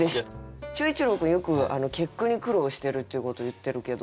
秀一郎君よく結句に苦労してるっていうこと言ってるけど。